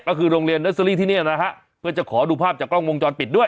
ก็คือโรงเรียนเนอร์เซอรี่ที่เนี่ยนะฮะเพื่อจะขอดูภาพจากกล้องวงจรปิดด้วย